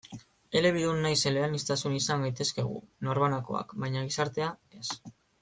Elebidun nahiz eleaniztun izan gintezke gu, norbanakoak, baina gizartea, ez.